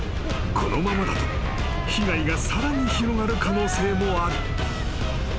このままだと被害がさらに広がる可能性もある］